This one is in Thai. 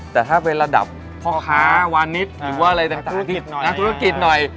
แต่ถ้าเป็นระดับพ่อค้าวานิสหรือว่าอะไรต่างที่นักธุรกิจหน่อย